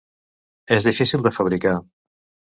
És difícil de fabricar.